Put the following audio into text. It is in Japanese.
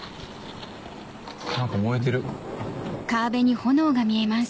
何か燃えてる。